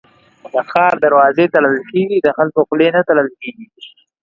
د ښار دروازې تړل کېږي ، د خلکو خولې نه تړل کېږي.